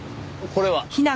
これは？